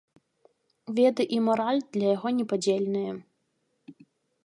Веды і мараль для яго непадзельныя.